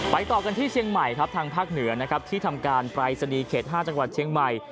ต่อกันที่เชียงใหม่ครับทางภาคเหนือนะครับที่ทำการปรายศนีย์เขต๕จังหวัดเชียงใหม่